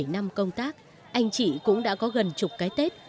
một mươi bảy năm công tác anh chị cũng đã có gần chục cái tết